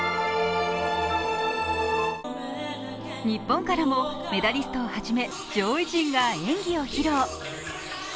日本からもメダリストをはじめ、上位陣が演技を披露。